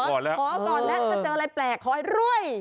ขอก่อนแล้วถ้าเจออะไรแปลกขอให้รวย